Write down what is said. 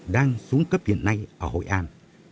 đang xuống cấp hiện nay ở hội an